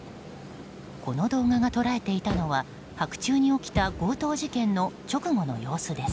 この動画が捉えていたのは白昼に起きた強盗事件の直後の様子です。